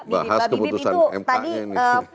bahas keputusan mph nya